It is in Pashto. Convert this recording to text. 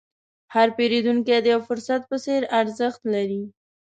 هر پیرودونکی د یو فرصت په څېر ارزښت لري.